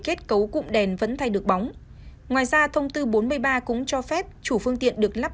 kết cấu cụm đèn vẫn thay được bóng ngoài ra thông tư bốn mươi ba cũng cho phép chủ phương tiện được lắp